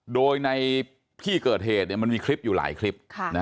โดยในที่เกิดเหตุมันมีคลิปอยู่หลายคลิป